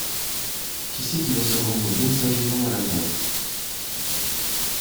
Qui c'est qui va se rendre bien sagement à la cave.